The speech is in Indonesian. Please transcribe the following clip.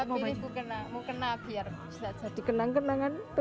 biar bisa jadi kenang kenangan